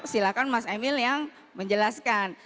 silahkan mas emil yang menjelaskan